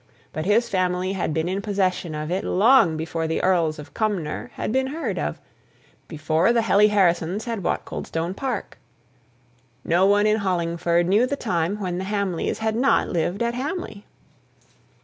But his family had been in possession of it long before the Earls of Cumnor had been heard of; before the Hely Harrisons had bought Coldstone Park; no one in Hollingford knew the time when the Hamleys had not lived at Hamley.